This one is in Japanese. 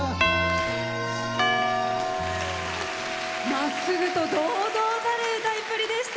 まっすぐと堂々たる歌いっぷりでした。